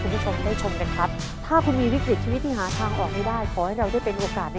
ขอบคุณครับ